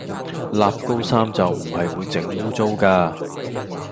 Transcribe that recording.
捋高衫袖唔係會整污穢㗎